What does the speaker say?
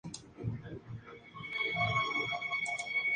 Esa fue una de sus bandas más conocidas.